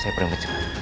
saya permisi pak